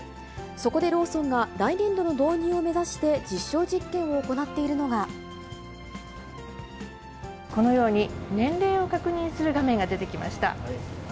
そこでローソンが来年度の導入を目指して実証実験を行っているのこのように、年齢を確認する画面が出てきました。